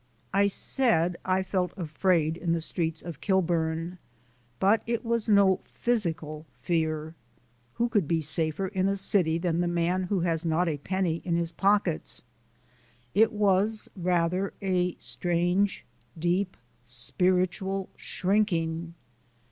I said I felt afraid in the streets of Kilburn, but it was no physical fear. Who could be safer in a city than the man who has not a penny in his pockets? It was rather a strange, deep, spiritual shrinking.